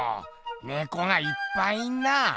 猫がいっぱいいんなぁ。